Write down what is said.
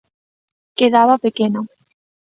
Quedaba a pequena.